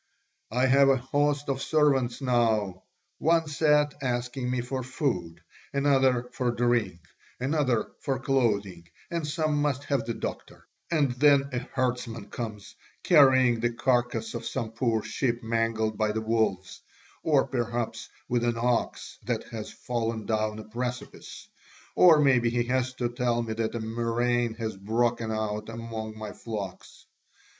I have a host of servants now, one set asking me for food, another for drink, another for clothing, and some must have the doctor, and then a herdsman comes, carrying the carcase of some poor sheep mangled by the wolves, or perhaps with an ox that has fallen down a precipice, or maybe he has to tell me that a murrain has broken out among my flocks.